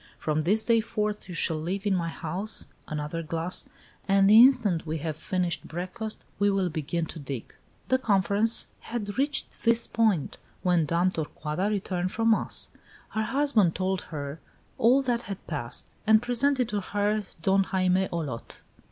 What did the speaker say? From this day forth you shall live in my house another glass and the instant we have finished breakfast, we will begin to dig." The conference had reached this point when Dame Torcuata returned from mass. Her husband told her all that had passed, and presented to her Don Jaime Olot.